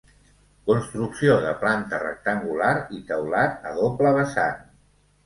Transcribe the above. Construcció de planta rectangular i teulat a doble vessant.